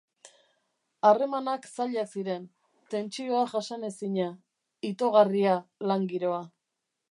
Harremanak zailak ziren, tentsioa jasanezina, itogarria lan giroa.